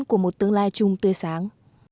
của một tương lai chung tươi sáng